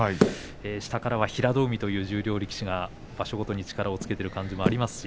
下からは平戸海という十両力士が力をつけている感じがあります。